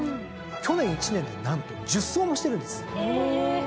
去年１年で何と１０走もしてるんです。